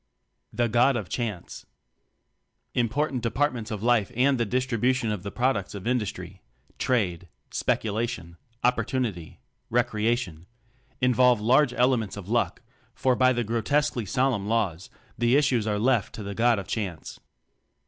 The God of Chance. Important departments of life and the distribution of the products of industry trade, speculation, oppor tunity, recreation involve large ele ments of "luck," for by grotesquely solemn "laws" the issues are left to the "God of Chance."